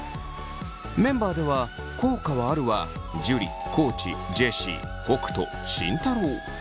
メンバーでは「効果はある」は樹地ジェシー北斗慎太郎。